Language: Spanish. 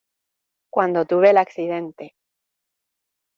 cuando tuve el accidente.